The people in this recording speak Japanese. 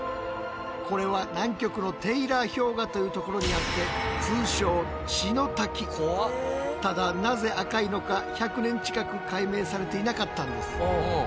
これは南極のテイラー氷河というところにあって通称ただなぜ赤いのか１００年近く解明されていなかったんです。